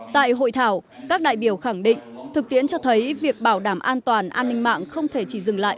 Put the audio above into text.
tại hội thảo các đại biểu khẳng định thực tiễn cho thấy việc bảo đảm an toàn an ninh mạng không thể chỉ dừng lại